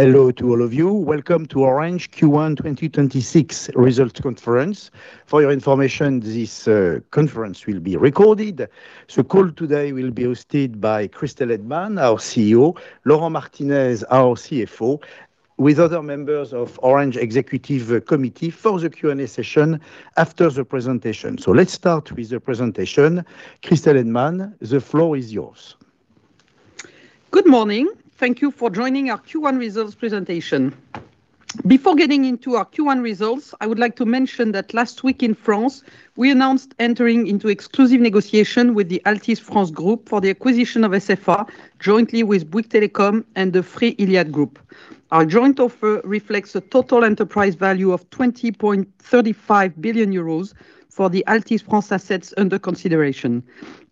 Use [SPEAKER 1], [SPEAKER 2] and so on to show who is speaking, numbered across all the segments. [SPEAKER 1] Hello to all of you. Welcome to Orange Q1 2026 results conference. For your information, this conference will be recorded. The call today will be hosted by Christel Heydemann, our CEO, Laurent Martinez, our CFO, with other members of Orange Executive Committee for the Q&A session after the presentation. Let's start with the presentation. Christel Heydemann, the floor is yours.
[SPEAKER 2] Good morning. Thank you for joining our Q1 results presentation. Before getting into our Q1 results, I would like to mention that last week in France, we announced entering into exclusive negotiation with the Altice France group for the acquisition of SFR, jointly with Bouygues Telecom and the Iliad Group. Our joint offer reflects a total enterprise value of 20.35 billion euros for the Altice France assets under consideration.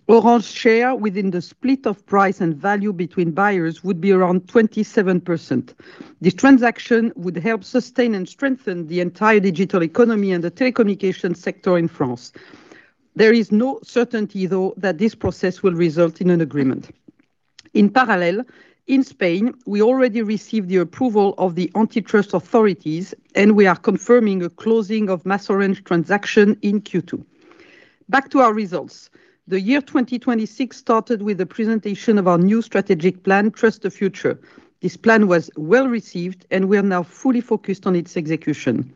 [SPEAKER 2] Orange share within the split of price and value between buyers would be around 27%. This transaction would help sustain and strengthen the entire digital economy and the telecommunication sector in France. There is no certainty, though, that this process will result in an agreement. In parallel, in Spain, we already received the approval of the antitrust authorities, and we are confirming a closing of MasOrange transaction in Q2. Back to our results. The year 2026 started with the presentation of our new strategic plan, Trust the Future. This plan was well-received, and we are now fully focused on its execution.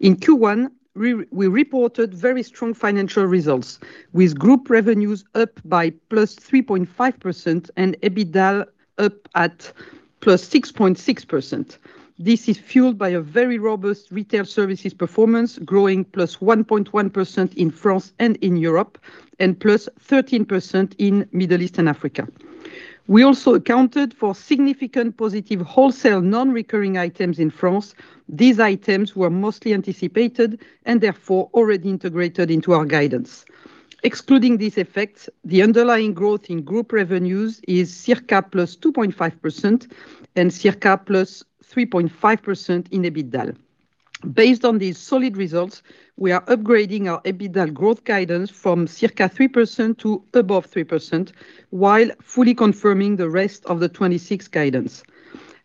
[SPEAKER 2] In Q1, we reported very strong financial results, with group revenues up by +3.5% and EBITDA up at +6.6%. This is fueled by a very robust retail services performance, growing +1.1% in France and in Europe and +13% in Middle East and Africa. We also accounted for significant positive wholesale non-recurring items in France. These items were mostly anticipated and therefore already integrated into our guidance. Excluding these effects, the underlying growth in group revenues is circa +2.5% and circa +3.5% in EBITDA. Based on these solid results, we are upgrading our EBITDA growth guidance from circa 3% to above 3% while fully confirming the rest of the 2026 guidance.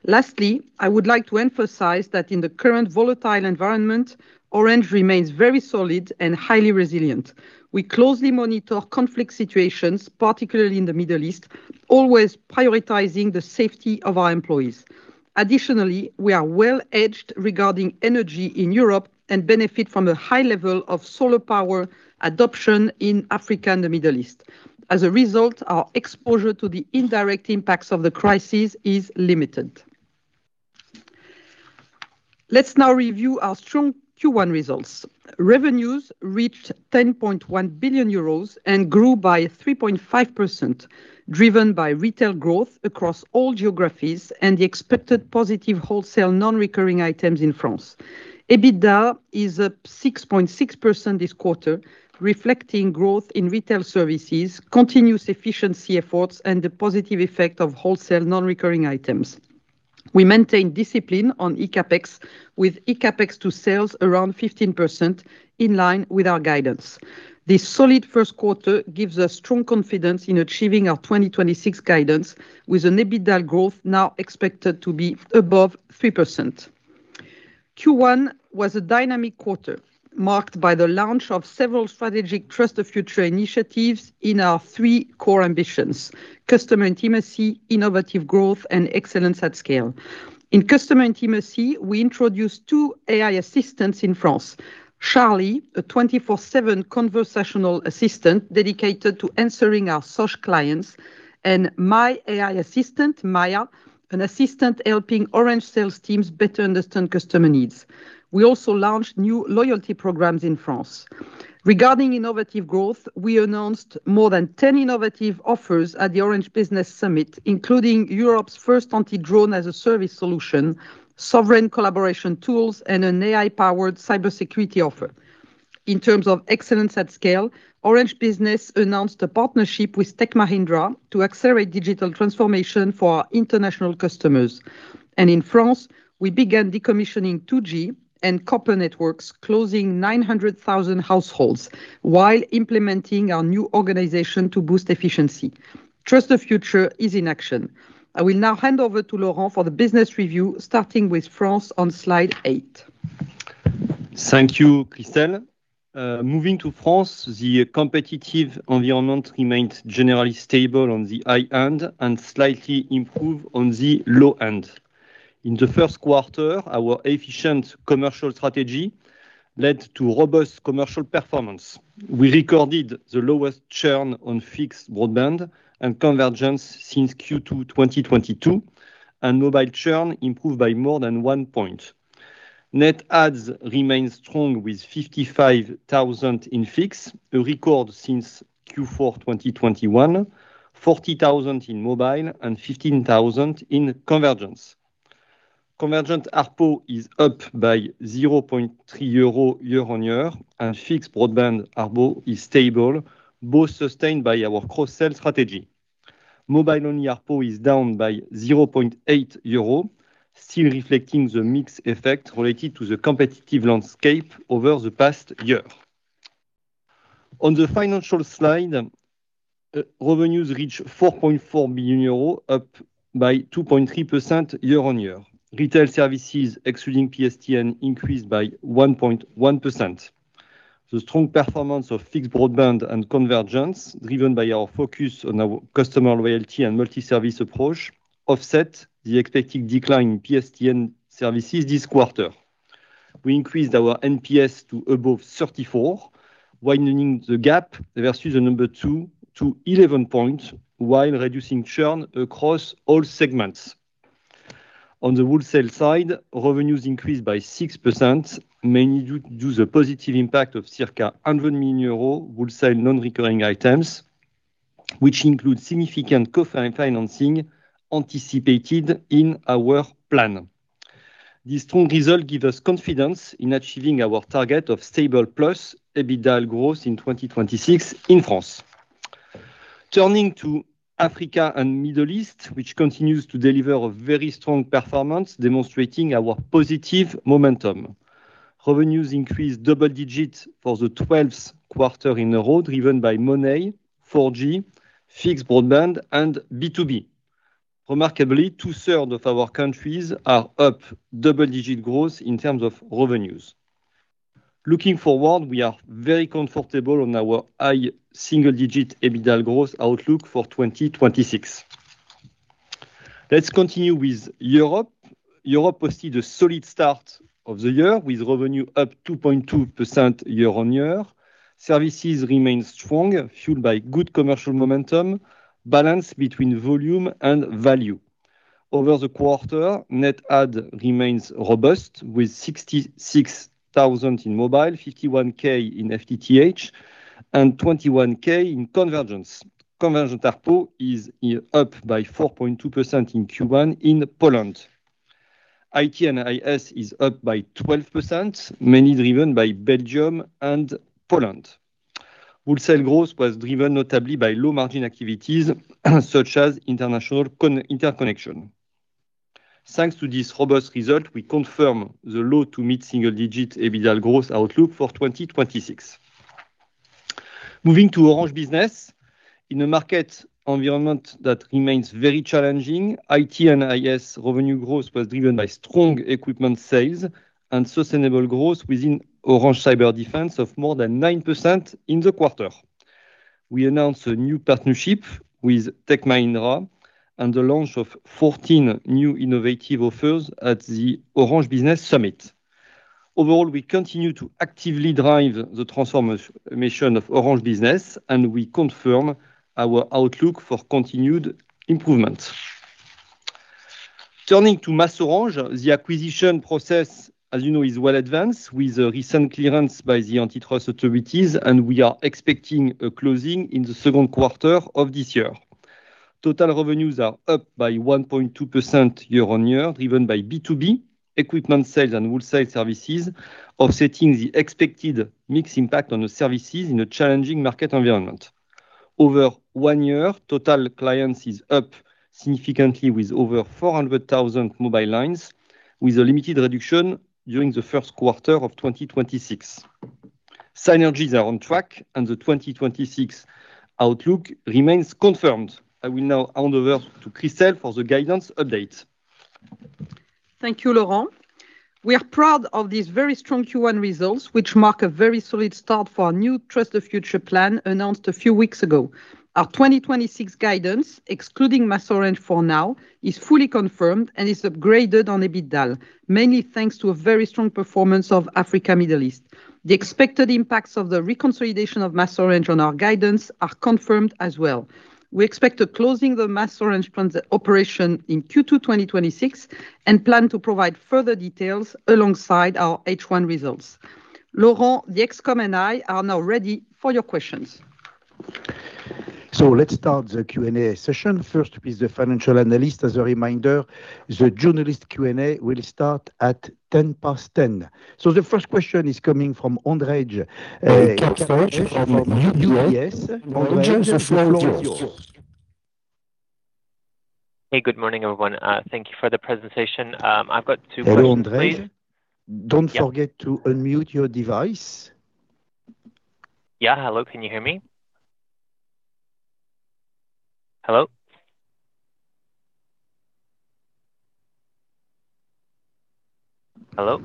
[SPEAKER 2] Lastly, I would like to emphasize that in the current volatile environment, Orange remains very solid and highly resilient. We closely monitor conflict situations, particularly in the Middle East, always prioritizing the safety of our employees. Additionally, we are well-edged regarding energy in Europe and benefit from a high level of solar power adoption in Africa and the Middle East. As a result, our exposure to the indirect impacts of the crisis is limited. Let's now review our strong Q1 results. Revenues reached 10.1 billion euros and grew by 3.5%, driven by retail growth across all geographies and the expected positive wholesale non-recurring items in France. EBITDA is up 6.6% this quarter, reflecting growth in retail services, continuous efficiency efforts, and the positive effect of wholesale non-recurring items. We maintain discipline on eCapEx, with eCapEx to sales around 15%, in line with our guidance. This solid first quarter gives us strong confidence in achieving our 2026 guidance, with an EBITDA growth now expected to be above 3%. Q1 was a dynamic quarter marked by the launch of several strategic Trust the Future initiatives in our three core ambitions, customer intimacy, innovative growth, and excellence at scale. In customer intimacy, we introduced two AI assistants in France, Sharlie, a 24/7 conversational assistant dedicated to answering our Sosh clients, and Mon Assistant IA (MAIA), an assistant helping Orange sales teams better understand customer needs. We also launched new loyalty programs in France. Regarding innovative growth, we announced more than 10 innovative offers at the Orange Business Summit, including Europe's first anti-drone-as-a-service solution, sovereign collaboration tools, and an AI-powered cybersecurity offer. In terms of excellence at scale, Orange Business announced a partnership with Tech Mahindra to accelerate digital transformation for our international customers. In France, we began decommissioning 2G and copper networks, closing 900,000 households while implementing our new organization to boost efficiency. Trust the Future is in action. I will now hand over to Laurent for the business review, starting with France on slide eight.
[SPEAKER 3] Thank you, Christel. Moving to France, the competitive environment remains generally stable on the high end and slightly improved on the low end. In the first quarter, our efficient commercial strategy led to robust commercial performance. We recorded the lowest churn on fixed broadband and convergence since Q2 2022, and mobile churn improved by more than one point. Net adds remains strong with 55,000 in fixed, a record since Q4 2021, 40,000 in mobile and 15,000 in convergence. Convergence ARPU is up by 0.3 euro year-on-year, and fixed broadband ARPU is stable, both sustained by our cross-sell strategy. Mobile-only ARPU is down by 0.8 euro, still reflecting the mix effect related to the competitive landscape over the past year. On the financial slide, revenues reached 4.4 billion euros, up by 2.3% year-on-year. Retail services, excluding PSTN, increased by 1.1%. The strong performance of fixed broadband and convergence, driven by our focus on our customer loyalty and multi-service approach, offset the expected decline in PSTN services this quarter. We increased our NPS to above 34, widening the gap versus the number two to 11 points while reducing churn across all segments. On the wholesale side, revenues increased by 6%, mainly due to the positive impact of circa 100 million euros wholesale non-recurring items, which include significant co-financing anticipated in our plan. This strong result gives us confidence in achieving our target of stable plus EBITDA growth in 2026 in France. Turning to Africa and Middle East, which continues to deliver a very strong performance, demonstrating our positive momentum. Revenues increased double digits for the 12th quarter in a row, driven by Orange Money, 4G, fixed broadband, and B2B. Remarkably, two-thirds of our countries are up double-digit growth in terms of revenues. Looking forward, we are very comfortable on our high single-digit EBITDA growth outlook for 2026. Let's continue with Europe. Europe posted a solid start of the year with revenue up 2.2% year-on-year. Services remain strong, fueled by good commercial momentum, balance between volume and value. Over the quarter, net add remains robust with 66,000 in mobile, 51,000 in FTTH, and 21,000 in convergence. Convergence ARPU is up by 4.2% in Q1 in Poland. IT and IS is up by 12%, mainly driven by Belgium and Poland. Wholesale growth was driven notably by low-margin activities such as international interconnection. Thanks to this robust result, we confirm the low-to-mid single-digit EBITDA growth outlook for 2026. Moving to Orange Business. In a market environment that remains very challenging, IT and IS revenue growth was driven by strong equipment sales and sustainable growth within Orange Cyberdefense of more than 9% in the quarter. We announced a new partnership with Tech Mahindra and the launch of 14 new innovative offers at the Orange Business Summit. Overall, we continue to actively drive the transformation of Orange Business, and we confirm our outlook for continued improvement. Turning to MasOrange, the acquisition process, as you know, is well advanced with a recent clearance by the antitrust authorities, and we are expecting closing in the second quarter of this year. Total revenues are up by 1.2% year-on-year, driven by B2B equipment sales and wholesale services, offsetting the expected mixed impact on the services in a challenging market environment. Over one year, total clients is up significantly with over 400,000 mobile lines, with a limited reduction during the first quarter of 2026. Synergies are on track and the 2026 outlook remains confirmed. I will now hand over to Christel for the guidance update.
[SPEAKER 2] Thank you, Laurent. We are proud of these very strong Q1 results, which mark a very solid start for our new Trust the Future plan announced a few weeks ago. Our 2026 guidance, excluding MasOrange for now, is fully confirmed and is upgraded on EBITDA, mainly thanks to a very strong performance of Africa, Middle East. The expected impacts of the reconsolidation of MasOrange on our guidance are confirmed as well. We expect closing the MasOrange operation in Q2 2026 and plan to provide further details alongside our H1 results. Laurent, the ExCom and I are now ready for your questions.
[SPEAKER 1] Let's start the Q&A session. First is the financial analyst. As a reminder, the journalist Q&A will start at 10:10. The first question is coming from Ondrej Cabejsek from UBS. Ondrej, the floor is yours.
[SPEAKER 4] Hey, good morning, everyone. Thank you for the presentation. I've got two questions, please.
[SPEAKER 1] Hello, Ondrej. Don't forget to unmute your device.
[SPEAKER 4] Yeah. Hello, can you hear me? Hello? Hello?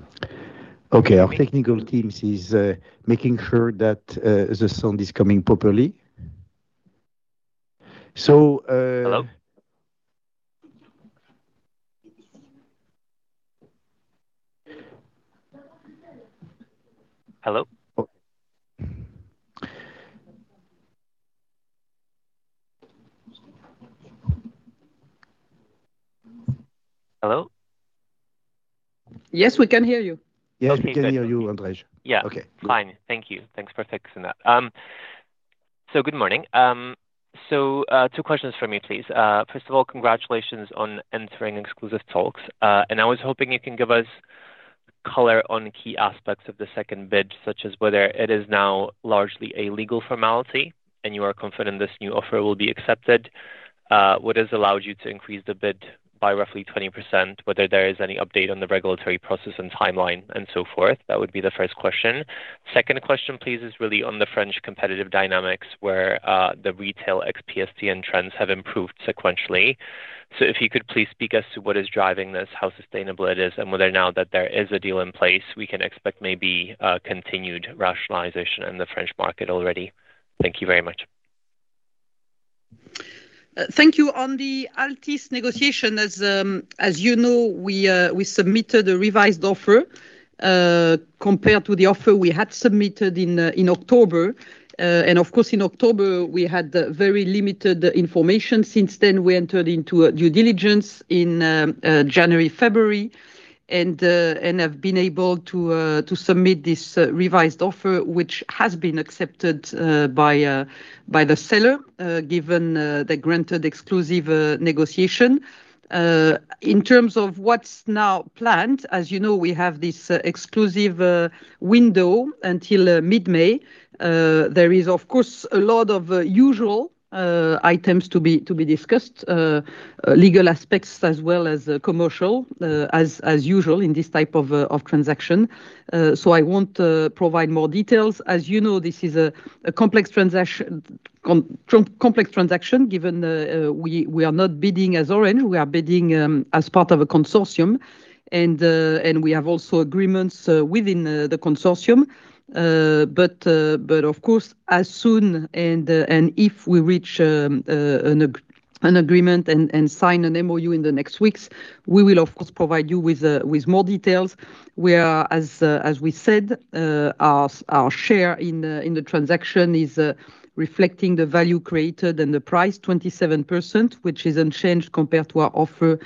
[SPEAKER 1] Okay. Our technical teams is making sure that the sound is coming properly.
[SPEAKER 4] Hello?
[SPEAKER 2] Yes, we can hear you.
[SPEAKER 1] Yes, we can hear you, Ondrej.
[SPEAKER 4] Yeah.
[SPEAKER 1] Okay, good.
[SPEAKER 4] Fine. Thank you. Thanks for fixing that. Good morning. Two questions from me, please. First of all, congratulations on entering exclusive talks. I was hoping you can give us color on key aspects of the second bid, such as whether it is now largely a legal formality and you are confident this new offer will be accepted, what has allowed you to increase the bid by roughly 20%, whether there is any update on the regulatory process and timeline, and so forth? That would be the first question. Second question, please, is really on the French competitive dynamics, where the retail xPSTN trends have improved sequentially. If you could please speak as to what is driving this, how sustainable it is, and whether now that there is a deal in place, we can expect maybe a continued rationalization in the French market already? Thank you very much.
[SPEAKER 2] Thank you. On the Altice negotiation, as you know, we submitted a revised offer compared to the offer we had submitted in October. Of course, in October, we had very limited information. Since then, we entered into a due diligence in January, February, and have been able to submit this revised offer, which has been accepted by the seller, given they granted exclusive negotiation. In terms of what's now planned, as you know, we have this exclusive window until mid-May. There is, of course, a lot of usual items to be discussed, legal aspects as well as commercial, as usual in this type of transaction. I won't provide more details. As you know, this is a complex transaction given we are not bidding as Orange. We are bidding as part of a consortium, and we have also agreements within the consortium. Of course, as soon as, and if we reach an agreement and sign an MOU in the next weeks, we will of course provide you with more details. We are, as we said, our share in the transaction is reflecting the value created and the price 27%, which is unchanged compared to our offer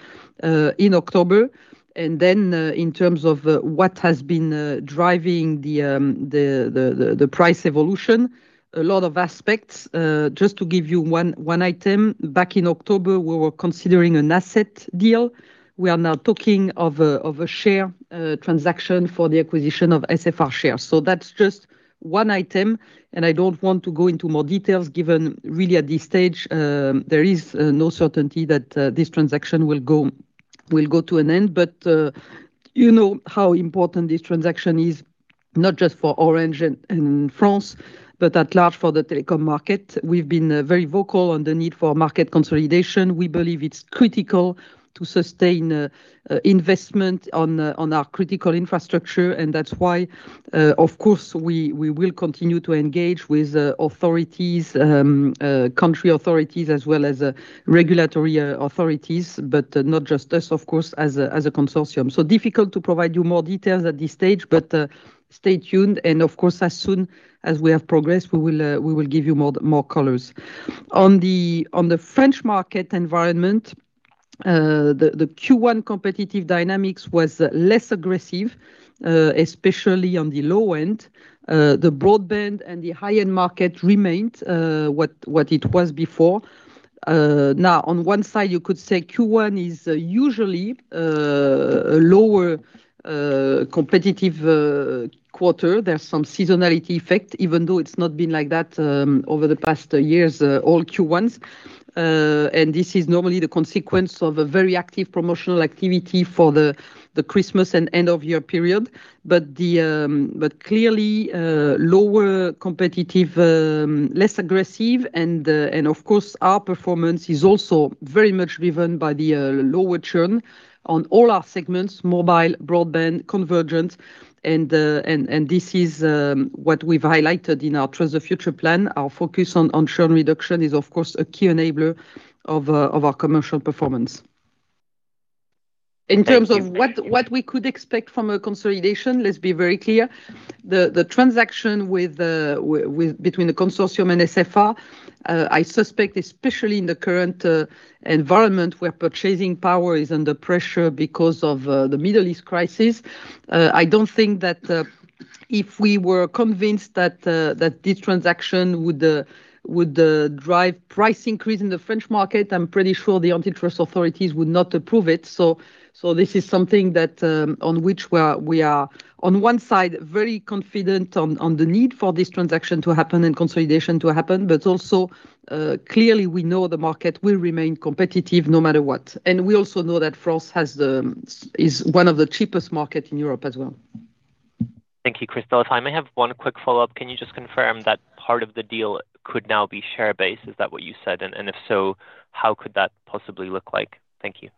[SPEAKER 2] in October. In terms of what has been driving the price evolution, a lot of aspects. Just to give you one item, back in October, we were considering an asset deal. We are now talking of a share transaction for the acquisition of SFR shares. That's just one item, and I don't want to go into more details, given really at this stage, there is no certainty that this transaction will go to an end. You know how important this transaction is not just for Orange in France, but at large for the telecom market. We've been very vocal on the need for market consolidation. We believe it's critical to sustain investment on our critical infrastructure, and that's why, of course, we will continue to engage with authorities, country authorities as well as regulatory authorities, but not just us, of course, as a consortium. Difficult to provide you more details at this stage, but stay tuned, and of course, as soon as we have progress, we will give you more colors. On the French market environment, the Q1 competitive dynamics was less aggressive, especially on the low-end. The broadband and the high-end market remained what it was before. Now, on one side, you could say Q1 is usually a lower competitive quarter. There's some seasonality effect, even though it's not been like that over the past years, all Q1s. This is normally the consequence of a very active promotional activity for the Christmas and end-of-year period. Clearly, lower competitive, less aggressive, and of course, our performance is also very much driven by the lower churn on all our segments, mobile, broadband, convergence, and this is what we've highlighted in our Trust the Future plan. Our focus on churn reduction is, of course, a key enabler of our commercial performance.
[SPEAKER 4] Thank you.
[SPEAKER 2] In terms of what we could expect from a consolidation, let's be very clear. The transaction between the consortium and SFR, I suspect, especially in the current environment where purchasing power is under pressure because of the Middle East crisis, I don't think that if we were convinced that this transaction would drive price increase in the French market, I'm pretty sure the antitrust authorities would not approve it. This is something that on which we are on one side very confident on the need for this transaction to happen and consolidation to happen. Also, clearly, we know the market will remain competitive no matter what. We also know that France is one of the cheapest market in Europe as well.
[SPEAKER 4] Thank you, Christel. I may have one quick follow-up. Can you just confirm that part of the deal could now be share-based? Is that what you said? If so, how could that possibly look like? Thank you.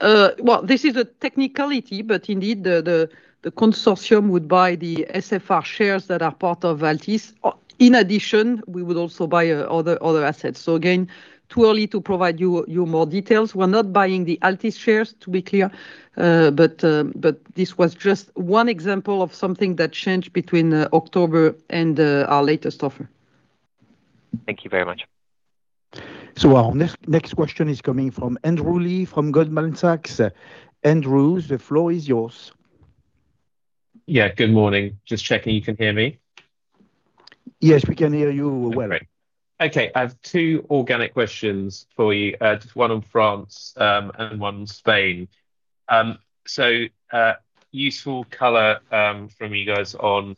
[SPEAKER 2] Well, this is a technicality, but indeed, the consortium would buy the SFR shares that are part of Altice. In addition, we would also buy other assets. Again, too early to provide you more details. We're not buying the Altice shares, to be clear. This was just one example of something that changed between October and our latest offer.
[SPEAKER 4] Thank you very much.
[SPEAKER 1] Our next question is coming from Andrew Lee from Goldman Sachs. Andrew, the floor is yours.
[SPEAKER 5] Yeah. Good morning. Just checking you can hear me.
[SPEAKER 1] Yes, we can hear you well.
[SPEAKER 5] Great. Okay. I have two organic questions for you, just one on France and one on Spain. Useful color from you guys on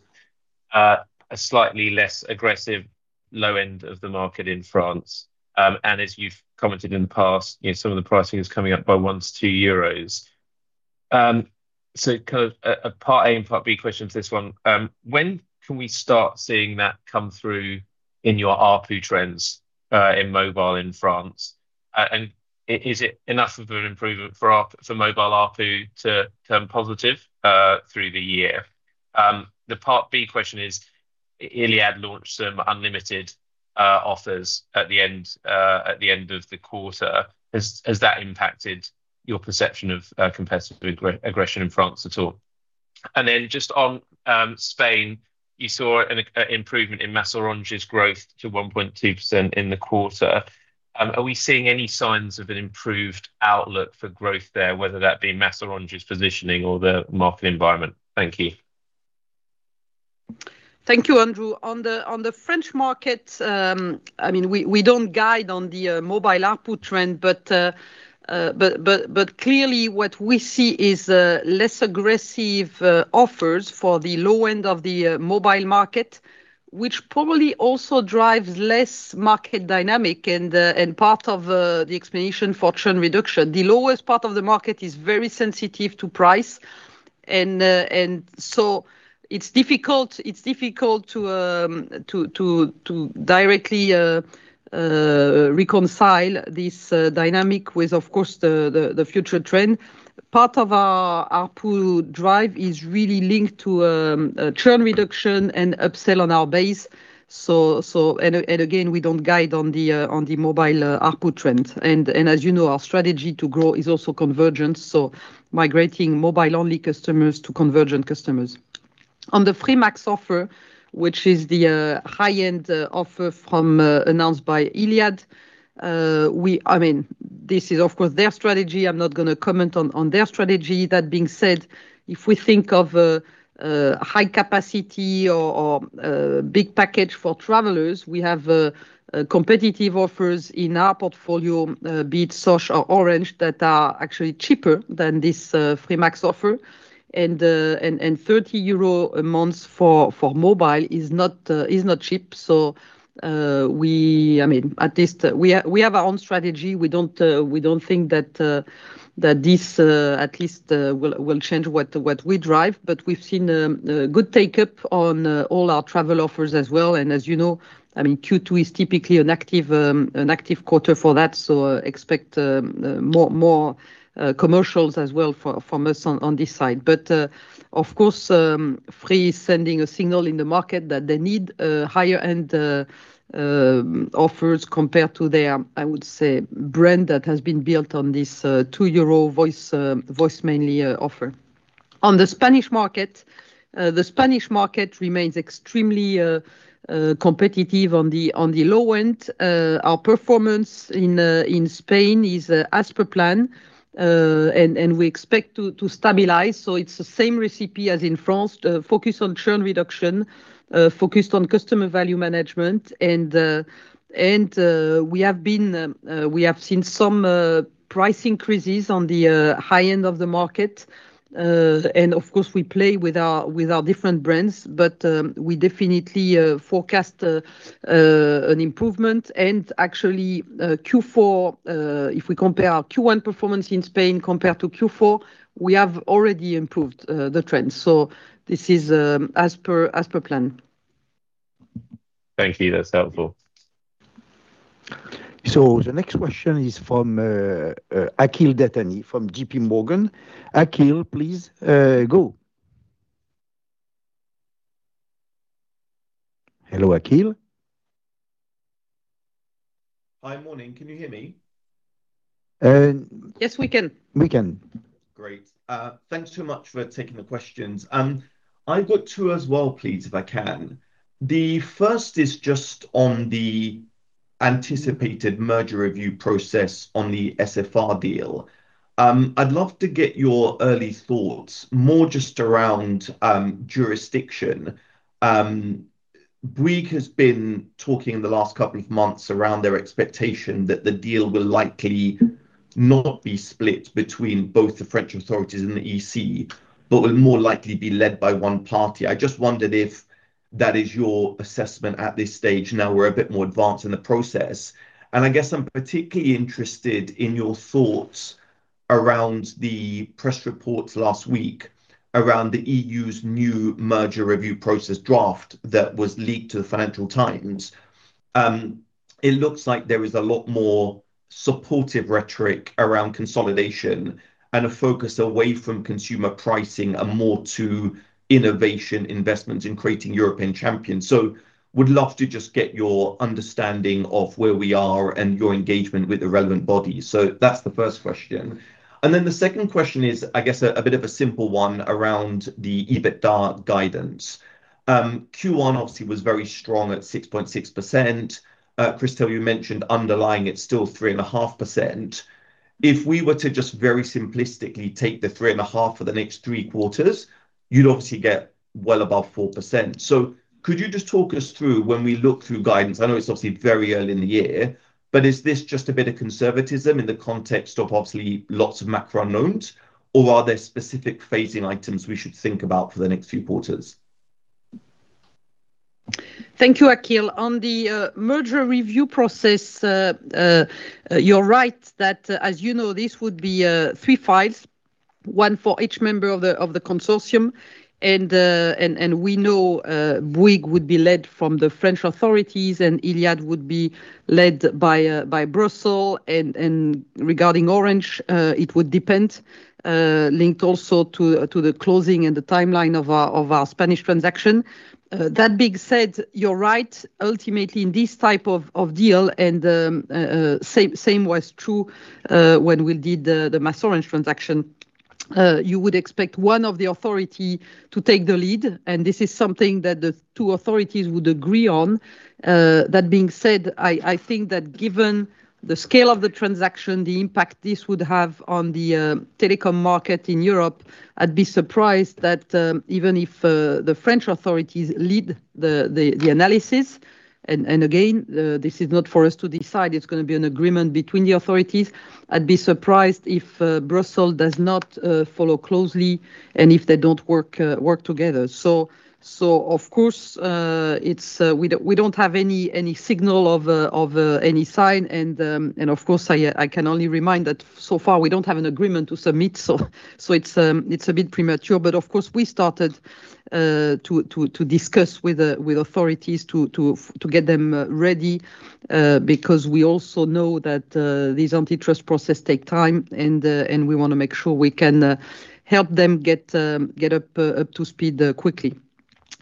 [SPEAKER 5] a slightly less aggressive low end of the market in France. As you've commented in the past, some of the pricing is coming up by 1-2 euros. A part A and part B question to this one. When can we start seeing that come through in your ARPU trends, in mobile in France? Is it enough of an improvement for mobile ARPU to turn positive through the year? The part B question is, Iliad launched some unlimited offers at the end of the quarter. Has that impacted your perception of competitive aggression in France at all? Just on Spain, you saw an improvement in Orange's growth to 1.2% in the quarter. Are we seeing any signs of an improved outlook for growth there, whether that be Orange's positioning or the market environment? Thank you.
[SPEAKER 2] Thank you, Andrew. On the French market, we don't guide on the mobile ARPU trend. Clearly what we see is less aggressive offers for the low end of the mobile market, which probably also drives less market dynamic and part of the explanation for churn reduction. The lowest part of the market is very sensitive to price. It's difficult to directly reconcile this dynamic with, of course, the future trend. Part of our ARPU drive is really linked to churn reduction and upsell on our base. Again, we don't guide on the mobile ARPU trend. As you know, our strategy to grow is also convergence, so migrating mobile-only customers to convergent customers. On the Free Max offer, which is the high-end offer announced by Iliad. This is, of course, their strategy. I'm not going to comment on their strategy. That being said, if we think of a high capacity or big package for travelers, we have competitive offers in our portfolio, be it Sosh or Orange, that are actually cheaper than this Free Max offer. 30 euro a month for mobile is not cheap. We have our own strategy. We don't think that this, at least, will change what we drive. We've seen good take up on all our travel offers as well. As you know, Q2 is typically an active quarter for that. Expect more commercials as well from us on this side. Of course, Free is sending a signal in the market that they need higher-end offers compared to their brand that has been built on this 2 euro voice-only offer. On the Spanish market. The Spanish market remains extremely competitive on the low end. Our performance in Spain is as per plan, and we expect to stabilize. It's the same recipe as in France. Focus on churn reduction, focused on customer value management. We have seen some price increases on the high end of the market. Of course, we play with our different brands, but we definitely forecast an improvement. Actually, if we compare our Q1 performance in Spain compared to Q4, we have already improved the trend. This is as per plan.
[SPEAKER 5] Thank you. That's helpful.
[SPEAKER 1] The next question is from Akhil Dattani from JPMorgan. Akhil, please go. Hello, Akhil.
[SPEAKER 6] Hi. Morning. Can you hear me?
[SPEAKER 2] Yes, we can.
[SPEAKER 1] We can.
[SPEAKER 6] Great. Thanks so much for taking the questions. I've got two as well, please, if I can. The first is just on the anticipated merger review process on the SFR deal. I'd love to get your early thoughts, more just around jurisdiction. Bouygues has been talking in the last couple of months around their expectation that the deal will likely not be split between both the French authorities and the EC, but will more likely be led by one party. I just wondered if that is your assessment at this stage now we're a bit more advanced in the process. I guess I'm particularly interested in your thoughts around the press reports last week around the EU's new merger review process draft that was leaked to the "Financial Times." It looks like there is a lot more supportive rhetoric around consolidation and a focus away from consumer pricing and more to innovation investments in creating European champions. Would love to just get your understanding of where we are and your engagement with the relevant bodies. That's the first question. The second question is, I guess, a bit of a simple one around the EBITDA guidance. Q1 obviously was very strong at 6.6%. Christel, you mentioned underlying it's still 3.5%. If we were to just very simplistically take the 3.5% for the next three quarters, you'd obviously get well above 4%. Could you just talk us through when we look through guidance, I know it's obviously very early in the year, but is this just a bit of conservatism in the context of obviously lots of macro unknowns? Or are there specific phasing items we should think about for the next few quarters?
[SPEAKER 2] Thank you, Akhil. On the merger review process, you're right. As you know, this would be three files, one for each member of the consortium. We know Bouygues would be led from the French authorities, and Iliad would be led by Brussels. Regarding Orange, it would depend, linked also to the closing and the timeline of our Spanish transaction. That being said, you're right. Ultimately, in this type of deal, and same was true when we did the MasOrange transaction, you would expect one of the authority to take the lead, and this is something that the two authorities would agree on. That being said, I think that given the scale of the transaction, the impact this would have on the telecom market in Europe, I'd be surprised that even if the French authorities lead the analysis. Again, this is not for us to decide. It's going to be an agreement between the authorities. I'd be surprised if Brussels does not follow closely, and if they don't work together. Of course, we don't have any signal or any sign. Of course, I can only remind that so far we don't have an agreement to submit, so it's a bit premature. Of course, we started to discuss with authorities to get them ready, because we also know that these antitrust processes take time, and we want to make sure we can help them get up to speed quickly.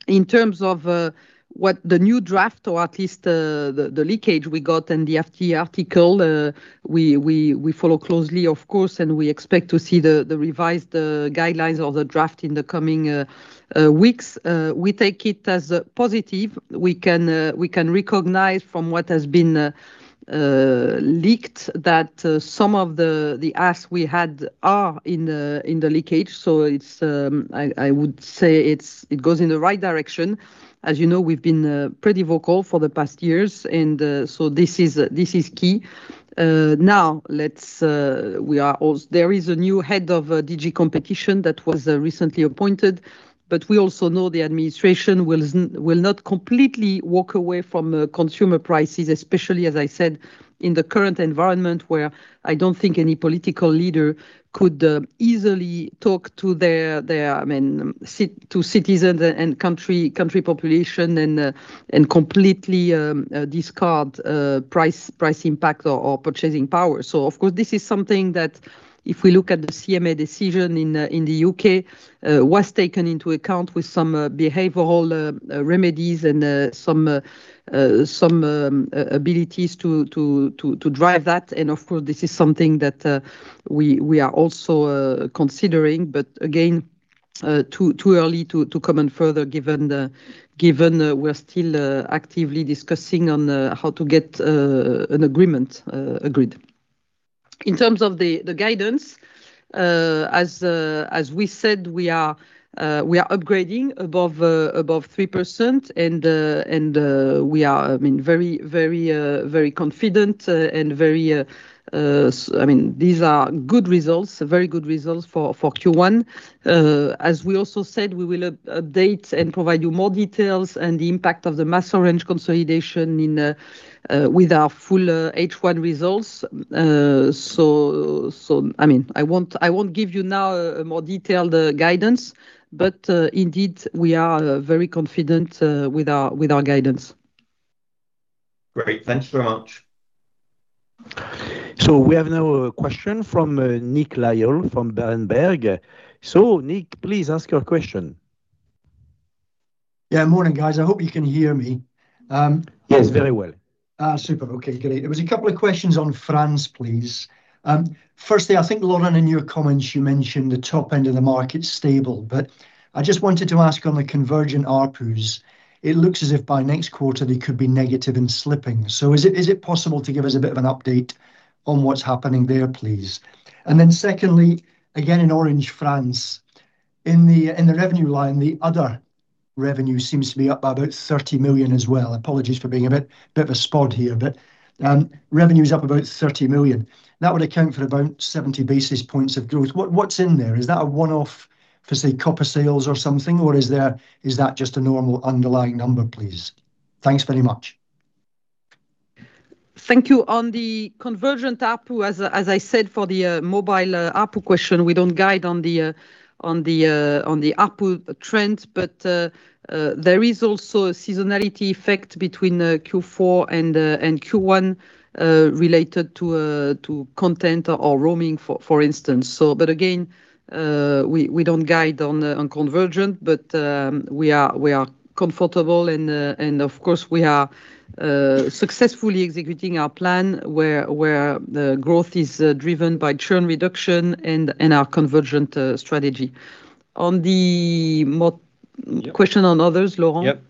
[SPEAKER 2] In terms of what the new draft, or at least the leak we got in the FT article, we follow closely of course, and we expect to see the revised guidelines or the draft in the coming weeks. We take it as positive. We can recognize from what has been leaked that some of the asks we had are in the leak. I would say it goes in the right direction. As you know, we've been pretty vocal for the past years, and so this is key. There is a new head of DG Competition that was recently appointed. We also know the administration will not completely walk away from consumer prices, especially, as I said, in the current environment, where I don't think any political leader could easily talk to citizens and country's population and completely discard price impact or purchasing power. Of course, this is something that if we look at the CMA decision in the U.K., was taken into account with some behavioral remedies and some abilities to drive that. Of course, this is something that we are also considering, but again, too early to comment further given we're still actively discussing on how to get an agreement agreed. In terms of the guidance, as we said, we are upgrading above 3%, and we are very confident. These are good results, very good results for Q1. As we also said, we will update and provide you more details and the impact of the MasOrange consolidation with our full H1 results. I won't give you now a more detailed guidance, but indeed we are very confident with our guidance.
[SPEAKER 6] Great. Thanks very much.
[SPEAKER 1] We have now a question from Nick Lyall from Berenberg. Nick, please ask your question.
[SPEAKER 7] Yeah. Morning, guys. I hope you can hear me.
[SPEAKER 1] Yes, very well.
[SPEAKER 7] Super. Okay, great. I have a couple of questions on France, please. Firstly, I think, Laurent, in your comments, you mentioned the top end of the market's stable. I just wanted to ask on the convergent ARPU. It looks as if by next quarter they could be negative and slipping. Is it possible to give us a bit of an update on what's happening there, please? Secondly, again in Orange France. In the revenue line, the "other" revenue seems to be up by about 30 million as well. Apologies for being a bit of a spod here, but revenue's up about 30 million. That would account for about 70 basis points of growth. What's in there? Is that a one-off for, say, copper sales or something, or is that just a normal underlying number, please? Thanks very much.
[SPEAKER 2] Thank you. On the convergent ARPU, as I said, for the mobile ARPU question, we don't guide on the ARPU trend. There is also a seasonality effect between Q4 and Q1 related to content or roaming, for instance. Again, we don't guide on convergent, but we are comfortable and of course, we are successfully executing our plan where the growth is driven by churn reduction and our convergent strategy. On the question on others, Laurent?
[SPEAKER 3] Yep.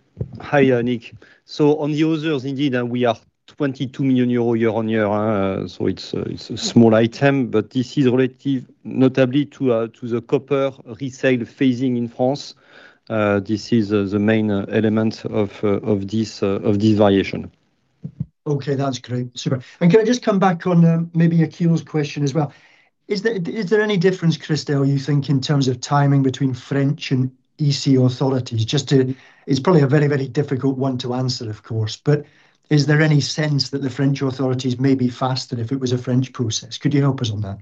[SPEAKER 3] Hi, Nick. On the others, indeed, we are 22 million euro year-over-year. It's a small item, but this is relative notably to the copper resale phasing in France. This is the main element of this variation.
[SPEAKER 7] Okay, that's great. Super. Can I just come back on maybe Akhil's question as well. Is there any difference, Christel, you think in terms of timing between French and EC authorities? It's probably a very difficult one to answer, of course. But is there any sense that the French authorities may be faster if it was a French process? Could you help us on that?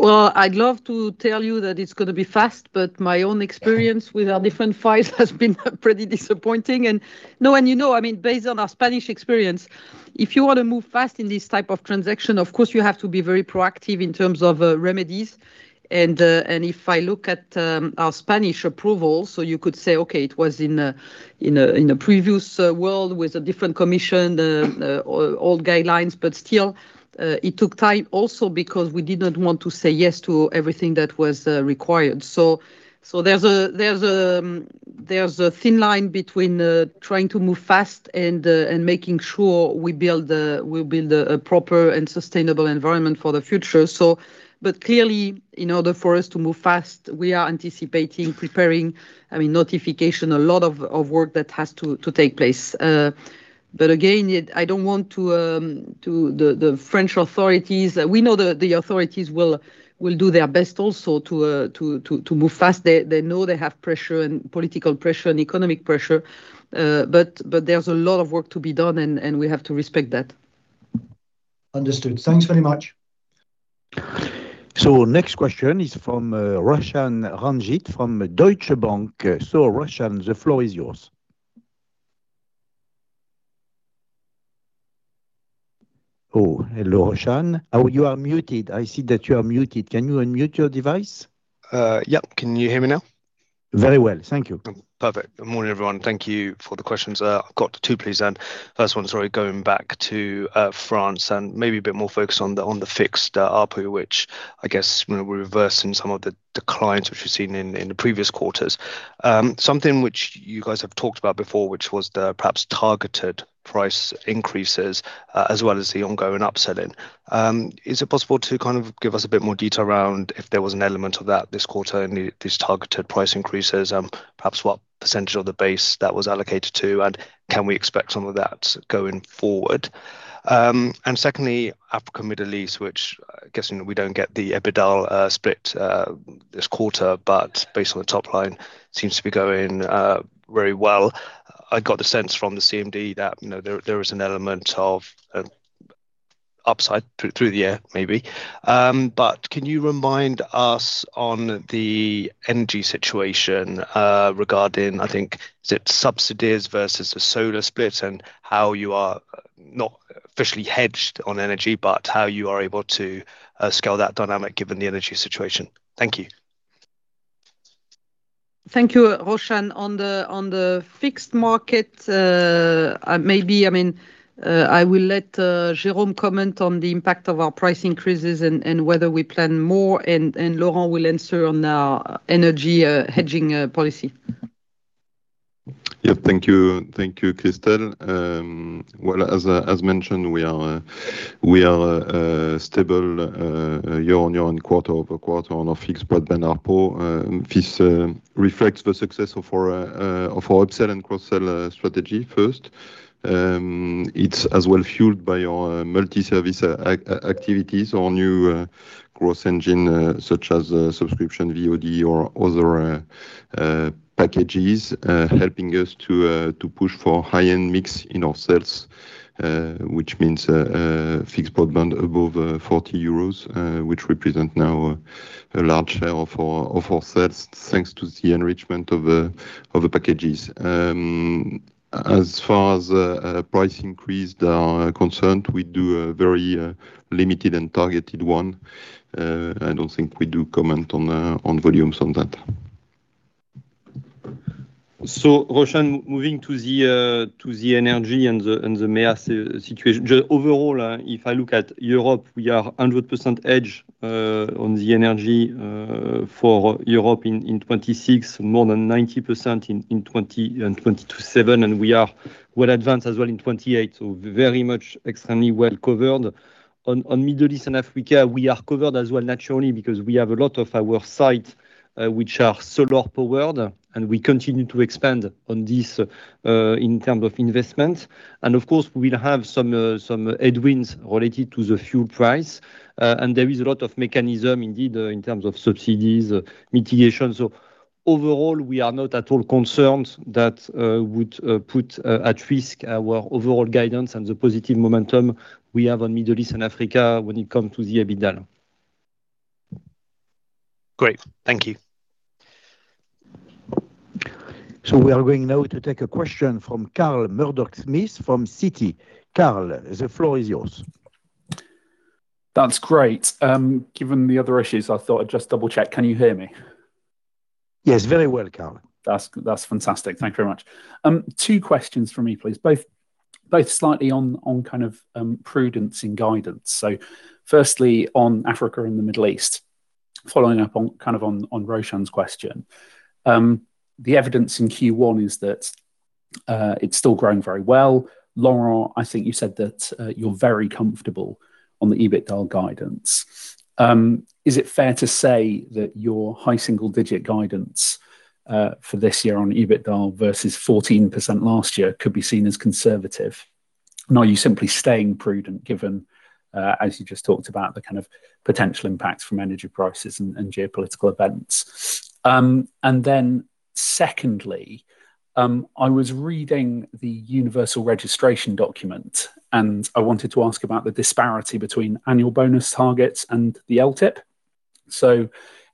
[SPEAKER 2] Well, I'd love to tell you that it's going to be fast, but my own experience with our different fights has been pretty disappointing. No, and you know, based on our Spanish experience, if you want to move fast in this type of transaction, of course, you have to be very proactive in terms of remedies. If I look at our Spanish approval, so you could say, okay, it was in a previous world with a different commission, old guidelines, but still, it took time also because we did not want to say yes to everything that was required. There's a thin line between trying to move fast and making sure we build a proper and sustainable environment for the future. Clearly, in order for us to move fast, we are anticipating preparing notification, a lot of work that has to take place. Again, I don't want to pressure the French authorities. We know the authorities will do their best also to move fast. They know they have pressure and political pressure and economic pressure. There's a lot of work to be done, and we have to respect that.
[SPEAKER 7] Understood. Thanks very much.
[SPEAKER 1] Next question is from Roshan Ranjit from Deutsche Bank. Roshan, the floor is yours. Oh, hello, Roshan. Oh, you are muted. I see that you are muted. Can you unmute your device?
[SPEAKER 8] Yep. Can you hear me now?
[SPEAKER 1] Very well. Thank you.
[SPEAKER 8] Perfect. Good morning, everyone. Thank you for the questions. I've got two, please, and first one, sorry, going back to France and maybe a bit more focused on the fixed ARPU, which I guess we're reversing some of the declines which we've seen in the previous quarters. Something which you guys have talked about before, which was the perhaps targeted price increases, as well as the ongoing upselling. Is it possible to give us a bit more detail around if there was an element of that this quarter and these targeted price increases? Perhaps what percentage of the base that was allocated to, and can we expect some of that going forward? Secondly, Africa, Middle East, which I'm guessing we don't get the EBITDA split this quarter, but based on the top line, seems to be going very well. I got the sense from the CMD that there is an element of upside through the year, maybe. Can you remind us on the energy situation, regarding, I think, is it subsidies versus the solar split and how you are not officially hedged on energy, but how you are able to scale that dynamic given the energy situation? Thank you.
[SPEAKER 2] Thank you, Roshan. On the fixed market, maybe, I will let Jérôme comment on the impact of our price increases and whether we plan more, and Laurent will answer on our energy hedging policy.
[SPEAKER 9] Yeah. Thank you, Christel. Well, as mentioned, we are stable year-over-year and quarter-over-quarter on our fixed broadband ARPU. This reflects the success of our upsell and cross-sell strategy first. It's as well fueled by our multi-service activities, our new growth engine, such as subscription, VOD, or other packages, helping us to push for high-end mix in our sales, which means fixed broadband above 40 euros, which represent now a large share of our sales, thanks to the enrichment of the packages. As far as price increase are concerned, we do a very limited and targeted one. I don't think we do comment on volumes on that.
[SPEAKER 3] Roshan, moving to the energy and the MEA situation. Just overall, if I look at Europe, we are 100% hedged on the energy for Europe in 2026, more than 90% in 2020 and 2027, and we are well advanced as well in 2028, so very much extremely well-covered. On Middle East and Africa, we are covered as well naturally because we have a lot of our sites which are solar powered, and we continue to expand on this, in terms of investment. Of course, we'll have some headwinds related to the fuel price. There is a lot of mechanism indeed, in terms of subsidies, mitigation. Overall, we are not at all concerned that would put at risk our overall guidance and the positive momentum we have on Middle East and Africa when it comes to the EBITDA.
[SPEAKER 8] Great. Thank you.
[SPEAKER 1] We are going now to take a question from Carl Murdock-Smith from Citi. Carl, the floor is yours.
[SPEAKER 10] That's great. Given the other issues, I thought I'd just double-check. Can you hear me?
[SPEAKER 1] Yes, very well, Carl.
[SPEAKER 10] That's fantastic. Thank you very much. Two questions from me, please. Both slightly on kind of prudence and guidance. Firstly, on Africa and the Middle East. Following up on Roshan's question. The evidence in Q1 is that it's still growing very well. Laurent, I think you said that you're very comfortable on the EBITDA guidance. Is it fair to say that your high single-digit guidance for this year on EBITDA versus 14% last year could be seen as conservative? Now you're simply staying prudent given, as you just talked about, the kind of potential impacts from energy prices and geopolitical events. Secondly, I was reading the universal registration document, and I wanted to ask about the disparity between annual bonus targets and the LTIP.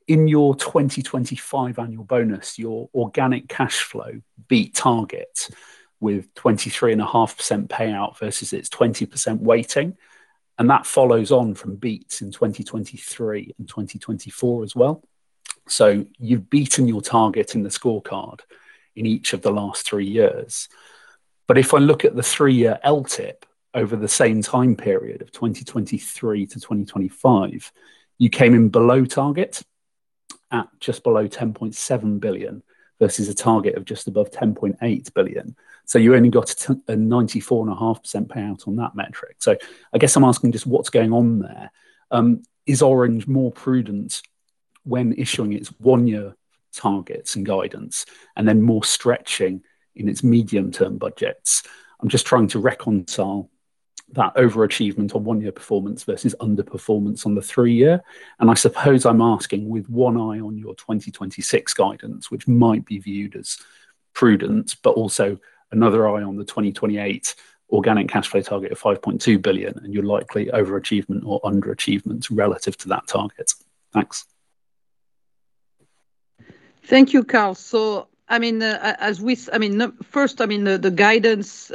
[SPEAKER 10] In your 2025 annual bonus, your organic cash flow beat targets with 23.5% payout versus its 20% weighting, and that follows on from beats in 2023 and 2024 as well. You've beaten your target in the scorecard in each of the last three years. If I look at the three-year LTIP over the same time period of 2023 to 2025, you came in below target at just below 10.7 billion versus a target of just above 10.8 billion. You only got a 94.5% payout on that metric. I guess I'm asking just what's going on there. Is Orange more prudent when issuing its one-year targets and guidance and then more stretching in its medium-term budgets? I'm just trying to reconcile that overachievement on one-year performance versus underperformance on the three-year. I suppose I'm asking with one eye on your 2026 guidance, which might be viewed as prudent, but also another eye on the 2028 organic cash flow target of 5.2 billion and your likely overachievement or underachievement relative to that target. Thanks.
[SPEAKER 2] Thank you, Carl. First, the guidance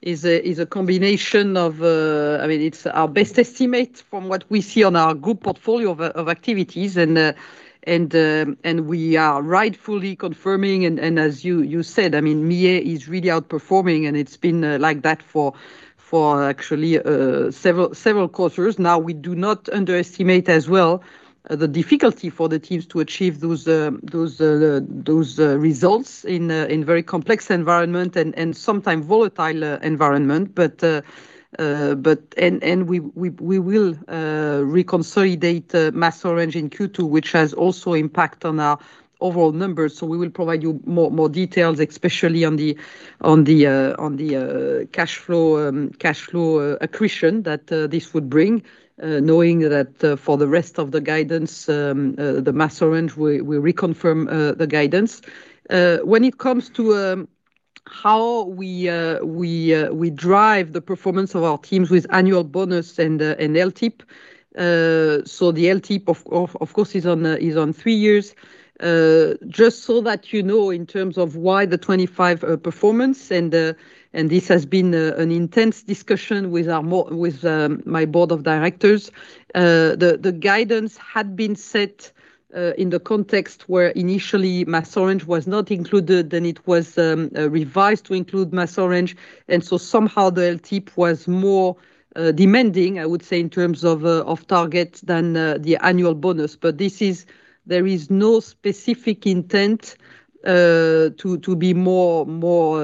[SPEAKER 2] is a combination of our best estimate from what we see on our group portfolio of activities. We are rightfully confirming and as you said, MEA is really outperforming, and it's been like that for actually several quarters now. We do not underestimate as well the difficulty for the teams to achieve those results in very complex environment and sometimes volatile environment. We will reconsolidate MasOrange in Q2, which has also impact on our overall numbers. We will provide you more details, especially on the cash flow accretion that this would bring. Knowing that for the rest of the guidance, the MasOrange, we reconfirm the guidance. When it comes to how we drive the performance of our teams with annual bonus and LTIP. The LTIP, of course, is on three years. Just so that you know, in terms of why the 2025 performance, and this has been an intense discussion with my board of directors. The guidance had been set in the context where initially MasOrange was not included, then it was revised to include MasOrange, and so somehow the LTIP was more demanding, I would say, in terms of targets than the annual bonus. There is no specific intent to be more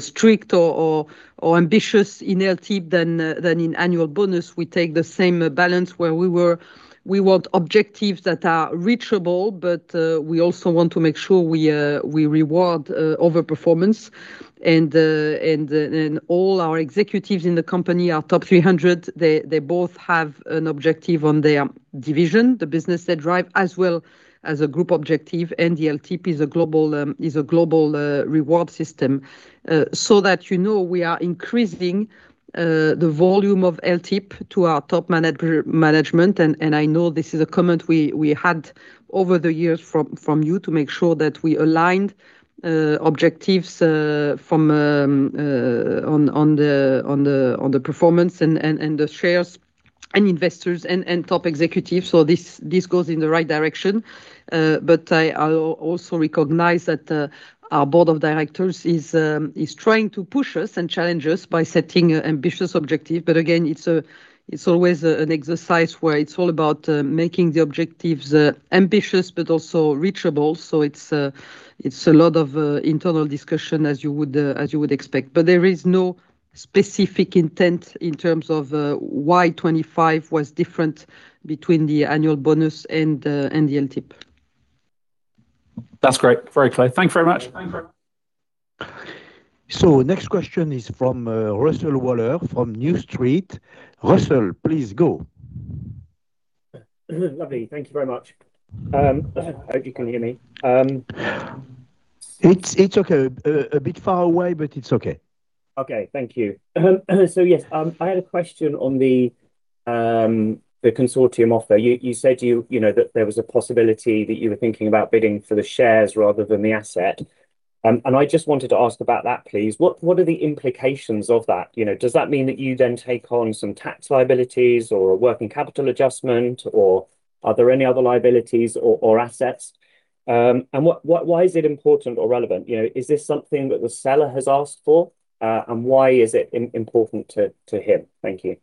[SPEAKER 2] strict or ambitious in LTIP than in annual bonus. We take the same balance where we want objectives that are reachable, but we also want to make sure we reward overperformance. All our executives in the company, our top 300, they both have an objective on their division, the business they drive, as well as a group objective. The LTIP is a global reward system. That you know, we are increasing the volume of LTIP to our top management. I know this is a comment we had over the years from you to make sure that we aligned objectives on the performance and the shares and investors and top executives. This goes in the right direction. I also recognize that our board of directors is trying to push us and challenge us by setting ambitious objective. Again, it's always an exercise where it's all about making the objectives ambitious but also reachable. It's a lot of internal discussion as you would expect. There is no specific intent in terms of why 2025 was different between the annual bonus and the LTIP.
[SPEAKER 10] That's great. Very clear. Thank you very much.
[SPEAKER 1] Next question is from Russell Waller from New Street. Russell, please go.
[SPEAKER 11] Lovely. Thank you very much. Hope you can hear me.
[SPEAKER 1] It's okay. A bit far away, but it's okay.
[SPEAKER 11] Okay. Thank you. Yes, I had a question on the consortium offer. You said that there was a possibility that you were thinking about bidding for the shares rather than the asset. I just wanted to ask about that, please. What are the implications of that? Does that mean that you then take on some tax liabilities or a working capital adjustment, or are there any other liabilities or assets? Why is it important or relevant? Is this something that the seller has asked for, and why is it important to him? Thank you.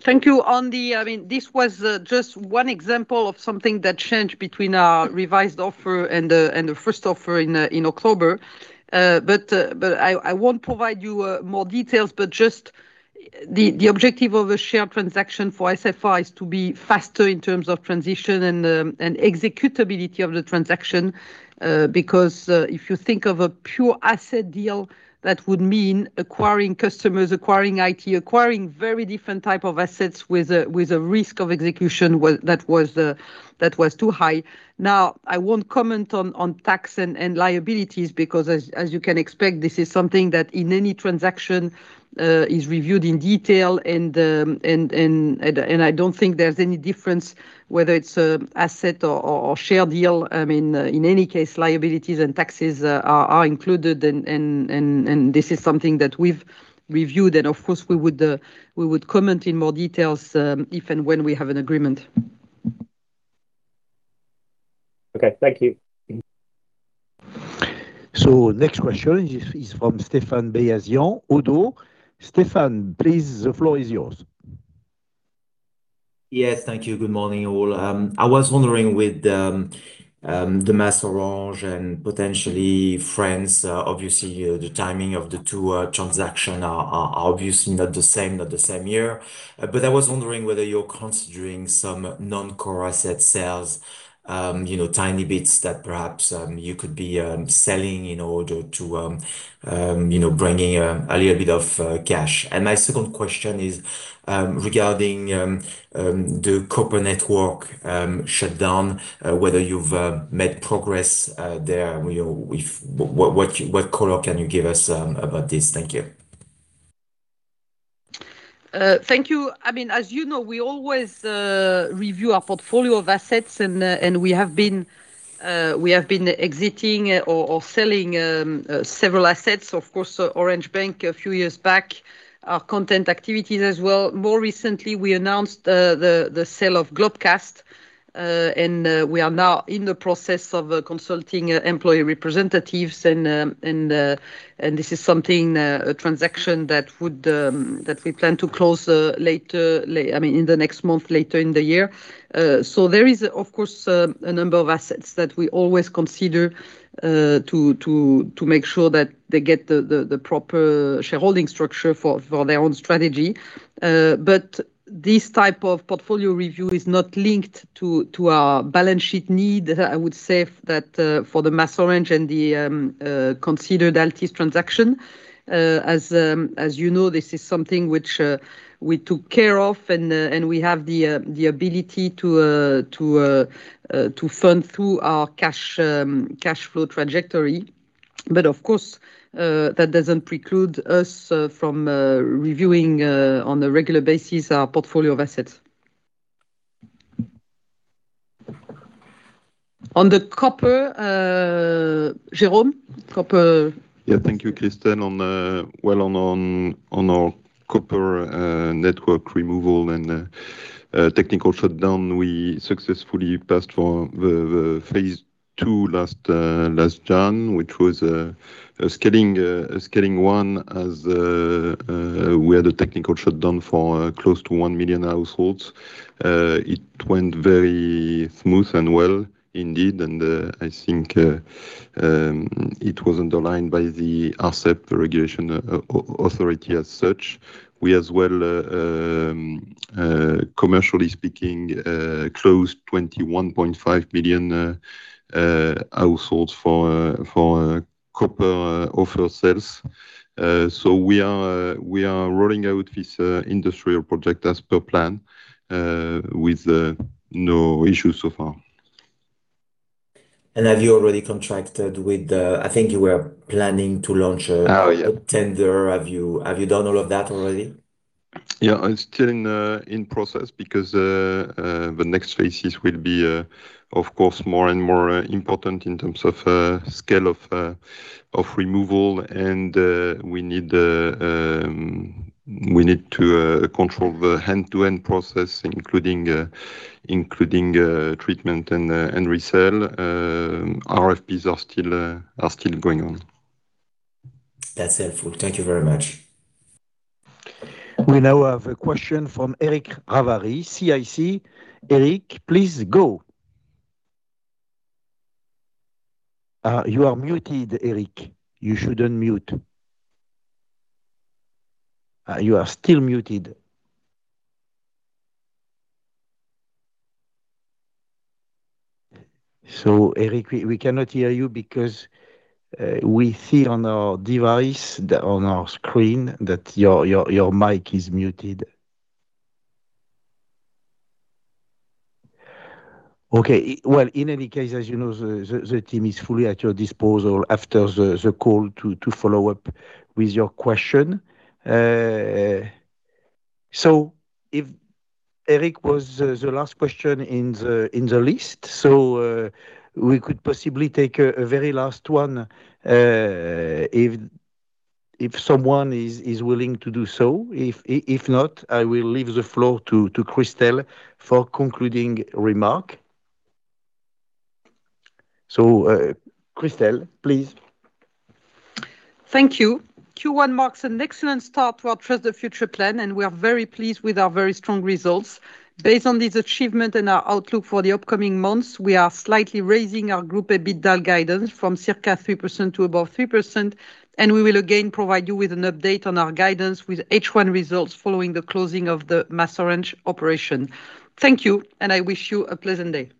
[SPEAKER 2] Thank you, Russell Waller. This was just one example of something that changed between our revised offer and the first offer in October. I won't provide you more details, but just the objective of a share transaction for SFR is to be faster in terms of transition and executability of the transaction. Because if you think of a pure asset deal, that would mean acquiring customers, acquiring IT, acquiring very different type of assets with a risk of execution that was too high. Now, I won't comment on tax and liabilities because, as you can expect, this is something that in any transaction is reviewed in detail and I don't think there's any difference whether it's an asset or share deal. In any case, liabilities and taxes are included and this is something that we've reviewed. Of course, we would comment in more details if and when we have an agreement.
[SPEAKER 11] Okay. Thank you.
[SPEAKER 1] Next question is from Stéphane Beyazian, Oddo BHF. Stéphane, please, the floor is yours.
[SPEAKER 12] Yes. Thank you. Good morning, all. I was wondering with the MasOrange and potentially France, obviously, the timing of the two transaction are obviously not the same, not the same year. I was wondering whether you're considering some non-core asset sales, tiny bits that perhaps you could be selling in order to bring a little bit of cash. My second question is regarding the corporate network shutdown, whether you've made progress there, what color can you give us about this? Thank you.
[SPEAKER 2] Thank you. As you know, we always review our portfolio of assets, and we have been exiting or selling several assets, of course, Orange Bank a few years back, our content activities as well. More recently, we announced the sale of Globecast, and we are now in the process of consulting employee representatives. This is something, a transaction that we plan to close in the next month, later in the year. There is, of course, a number of assets that we always consider to make sure that they get the proper shareholding structure for their own strategy. This type of portfolio review is not linked to our balance sheet need. I would say that for the MasOrange and the considered Altice transaction, as you know, this is something which we took care of, and we have the ability to fund through our cash flow trajectory. Of course, that doesn't preclude us from reviewing on a regular basis our portfolio of assets. On the copper, Jérôme. Copper.
[SPEAKER 9] Yeah. Thank you, Christel. Well, on our copper network removal and technical shutdown, we successfully passed for the phase two last term, which was scaling one as we had a technical shutdown for close to 1 million households. It went very smooth and well indeed, and I think it was underlined by the Arcep regulatory authority as such. We as well, commercially speaking, closed 21.5 million households for copper offer sales. We are rolling out this industrial project as per plan with no issues so far.
[SPEAKER 12] Have you already contracted with the? I think you were planning to launch a.
[SPEAKER 9] Oh, yeah.
[SPEAKER 12] A tender. Have you done all of that already?
[SPEAKER 9] Yeah. It's still in process because the next phases will be, of course, more and more important in terms of scale of removal. We need to control the end-to-end process, including treatment and resale. RFPs are still going on.
[SPEAKER 12] That's helpful. Thank you very much.
[SPEAKER 1] We now have a question from Eric Ravary, CIC. Eric, please go. You are muted, Eric. You should unmute. You are still muted. Eric, we cannot hear you because we see on our device, on our screen that your mic is muted. Okay. Well, in any case, as you know, the team is fully at your disposal after the call to follow up with your question. Eric was the last question in the list. We could possibly take a very last one if someone is willing to do so. If not, I will leave the floor to Christel for concluding remark. Christel, please.
[SPEAKER 2] Thank you. Q1 marks an excellent start to our Trust the Future plan, and we are very pleased with our very strong results. Based on this achievement and our outlook for the upcoming months, we are slightly raising our group EBITDA guidance from circa 3% to above 3%, and we will again provide you with an update on our guidance with H1 results following the closing of the MasOrange operation. Thank you, and I wish you a pleasant day.